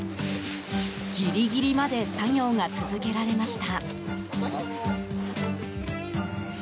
ギリギリまで作業が続けられました。